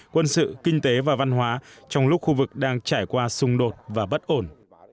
quân sự kinh tế và văn hóa trong lúc khu vực đang trải qua xung đột và bất ổn